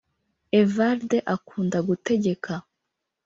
Évrard akunda gutegeka